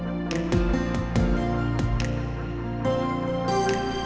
ayun dulu kan bapak